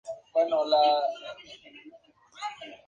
Según el Bando de Policía y Gobierno del Municipio de Guadalupe, Zac.